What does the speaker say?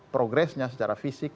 progresnya secara fisik